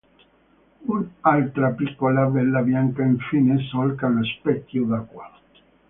Un'altra piccola vela bianca, infine, solca lo specchio d'acqua.